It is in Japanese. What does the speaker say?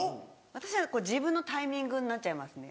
私は自分のタイミングになっちゃいますね。